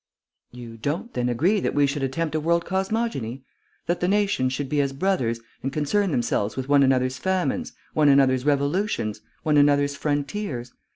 "You don't then agree that we should attempt a world cosmogony? That the nations should be as brothers, and concern themselves with one another's famines, one another's revolutions, one another's frontiers?